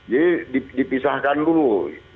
jadi dipisahkan dulu